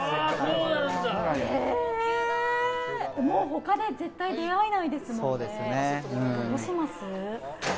他で絶対出会えないですもんね。